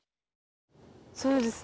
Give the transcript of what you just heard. そうですね